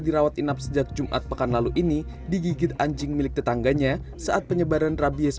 dirawat inap sejak jumat pekan lalu ini digigit anjing milik tetangganya saat penyebaran rabies